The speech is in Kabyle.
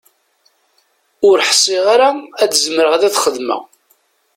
Ur ḥsiɣ ara ad zemreɣ ad t-xedmeɣ.